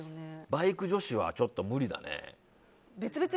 バイク女子はちょっと無理だね。